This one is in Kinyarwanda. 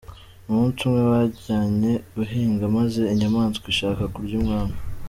Umunsi umwe bajyanye guhiga, maze inyamaswa ishaka kurya umwami.